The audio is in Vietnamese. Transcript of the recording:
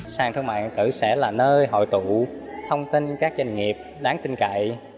sàn thương mại điện tử sẽ là nơi hội tụ thông tin các doanh nghiệp đáng tin cậy